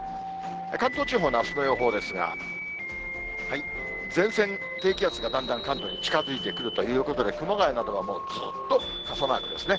関東地方のあすの予報ですが、前線、低気圧がだんだん関東に近づいてくるということで、熊谷などはもうずっと傘マークですね。